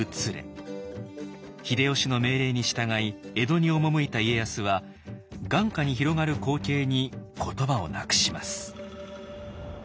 秀吉の命令に従い江戸に赴いた家康は眼下に広がる光景に言葉をなくします。